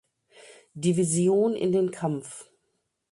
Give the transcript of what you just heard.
Division in den Kampf.